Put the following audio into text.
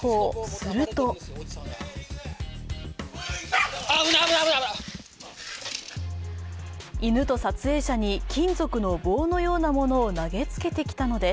すると犬と撮影者に金属の棒のようなものを投げつけてきたのです。